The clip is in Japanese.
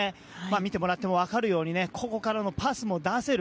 見てもらっても分かるようにここからのパスも出せる。